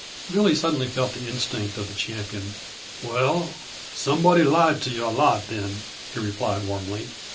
Billy suddenly felt the instinct of the champion. "Well, somebody lied to yuh a lot, then," he replied warmly.